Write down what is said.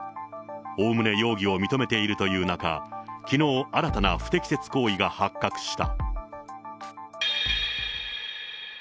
おおむね容疑を認めているという中、きのう、新たな不適切行為が発覚した。